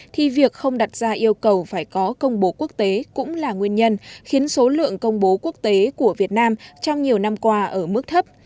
thì việc không đặt ra yêu cầu phải có công bố quốc tế cũng là nguyên nhân khiến số lượng công bố quốc tế của việt nam trong nhiều năm qua ở mức thấp